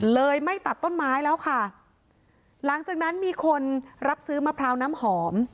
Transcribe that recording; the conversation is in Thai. ไม่ตัดต้นไม้แล้วค่ะหลังจากนั้นมีคนรับซื้อมะพร้าวน้ำหอม